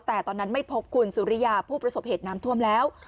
แต่ตอนนั้นไม่พบคุณสุริยาผู้ประสบเหตุน้ำท่วมแล้ว